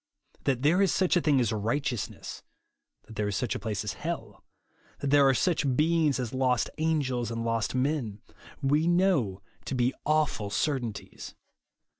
That there is such a thing as righteousness ; that there is such a place as hell ; that there are such beings as lost angels and lost men, we know to be awful certainties.